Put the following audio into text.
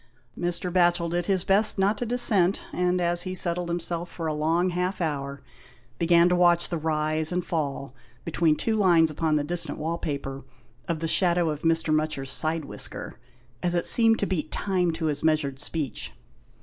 Mr. Batchel did his best not to dissent, and as he settled himself for a long half hour, began to watch the rise and fall, between two lines upon the distant wall paper of the shadow of Mr. Mutcher's side whisker, as it seemed to beat time to his measured speech.